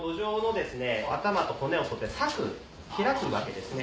頭と骨を取って裂く開くわけですね。